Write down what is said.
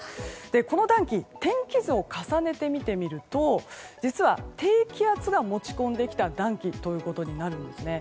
この暖気天気図を重ねて見てみると実は、低気圧が持ち込んできた暖気となるんですね。